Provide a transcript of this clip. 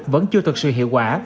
vẫn chưa thực sự hiệu quả